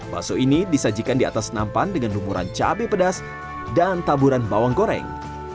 bakso ini disajikan di atas nampan dengan lumuran cabai pedas dan taburan bawang goreng